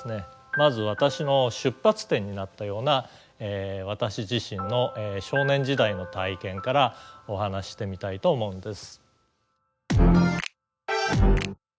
まず私の出発点になったような私自身の少年時代の体験からお話ししてみたいと思うんです。